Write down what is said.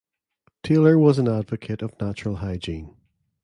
Taylor was an advocate of natural hygiene.